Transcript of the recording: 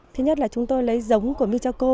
thứ nhất là chúng tôi lấy giống của michaco